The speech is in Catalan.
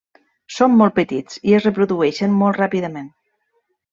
Són molt petits i es reprodueixen molt ràpidament.